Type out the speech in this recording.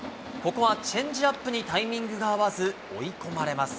ここはチェンジアップにタイミングが合わず、追い込まれます。